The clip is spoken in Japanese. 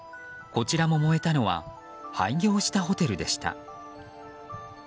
こちらも燃えたのは廃業したホテルでした。